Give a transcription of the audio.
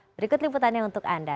berikut liputannya untuk anda